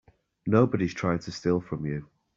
Nobody's trying to steal from you.